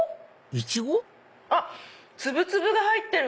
イチゴ？あっ粒々が入ってる！